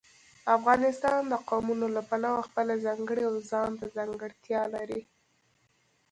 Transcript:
افغانستان د قومونه له پلوه خپله ځانګړې او ځانته ځانګړتیا لري.